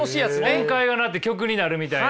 音階が鳴って曲になるみたいな。